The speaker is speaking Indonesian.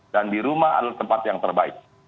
dan di rumah adalah tempat yang terbaik